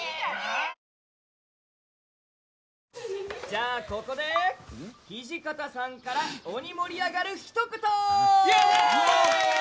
じゃあここで土方さんから鬼盛り上がるひと言！イエイ！